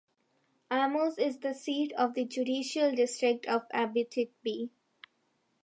Amos is the seat of the judicial district of Abitibi.